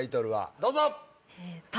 どうぞ！